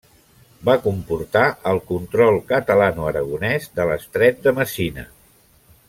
Va comportar el control catalanoaragonès de l'Estret de Messina.